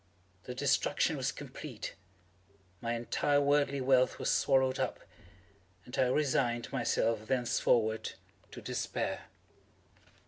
The destruction was complete. My entire worldly wealth was swallowed up, and I resigned myself thenceforward to despair.